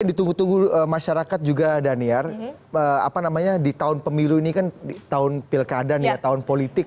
ditunggu tunggu masyarakat juga daniar di tahun pemilu ini kan tahun pilkadan tahun politik